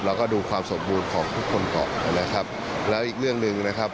เราก็ดูความสมบูรณ์ของทุกคนก่อนนะครับแล้วอีกเรื่องหนึ่งนะครับ